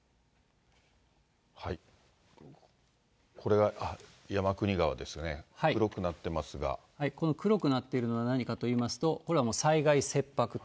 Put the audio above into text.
これが山国川ですかね、黒くなっこの黒くなっているのは何かといいますと、これはもう災害切迫と。